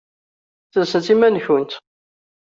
Sersemt iman-nkent!